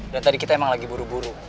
dan tadi kita emang lagi buru buru